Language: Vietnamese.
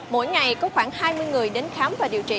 mỗi ngày có khoảng hai mươi người đến khám và điều trị